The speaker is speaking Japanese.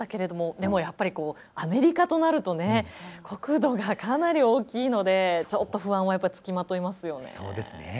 でも、やっぱりアメリカとなると国土がかなり大きいので不安はつきまといますよね。